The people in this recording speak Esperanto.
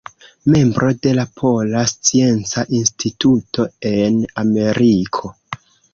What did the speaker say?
Membro de la Pola Scienca Instituto en Ameriko.